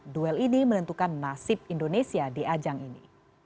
duel ini menentukan nasib indonesia di ajang ini